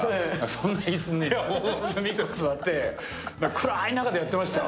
そんな椅子に隅っこで座って暗い中でやってました。